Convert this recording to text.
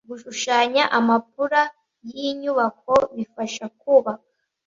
gushushanya amapula y inyubako bifasha kubaka